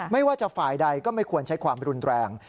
ไม่ว่าจะฝ่ายใดก็ไม่ควรใช้ความรุนแรง